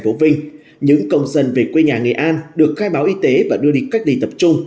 phố vinh những công dân về quê nhà nghệ an được khai báo y tế và đưa đi cách ly tập trung